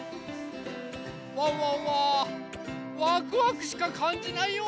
ワンワンはワクワクしかかんじないよ！